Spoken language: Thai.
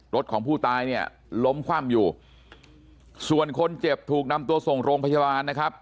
รถของผู้ตายเนี่ยล้มคว่ำอยู่ส่วนคนเจ็บถูกนำตัวส่งโรงพยาบาลนะครับ